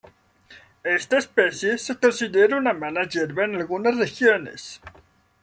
Esta especie se considera una mala hierba en algunas regiones.